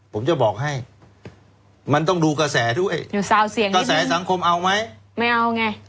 ผมจะบอกให้มันต้องดูกระแสด้วยดูซาวเสียงกระแสสังคมเอาไหมไม่เอาไง